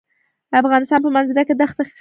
د افغانستان په منظره کې دښتې ښکاره ده.